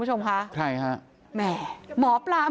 พี่ทีมข่าวของที่รักของ